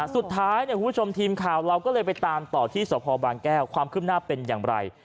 คุณผู้ชมทีมข่าวเราก็เลยไปตามต่อที่สพบางแก้วความขึ้นหน้าเป็นอย่างไร